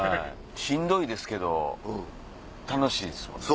しんどいですけど楽しいですもんね。